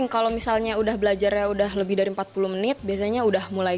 kalau misalnya udah belajarnya udah lebih dari empat puluh menit biasanya udah mulai